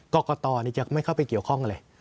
กรกตจะไม่เข้าไปเกี่ยวข้องเลย